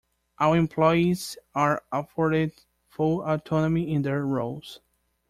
Our employees are afforded full autonomy in their roles.